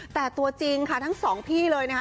แต่ตัวจริงค่ะทั้งสองพี่เลยนะคะ